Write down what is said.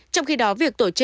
trong khi đó việc tổ chức